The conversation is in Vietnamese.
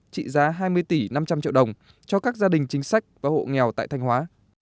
trị giá hai mươi tỷ năm trăm linh triệu đồng cho các gia đình chính sách và hộ nghèo tại thanh hóa